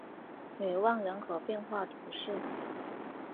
维旺人口变化图示